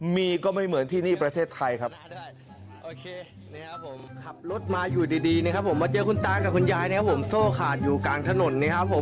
มีก็ไม่เหมือนที่นี่ประเทศไทยครับ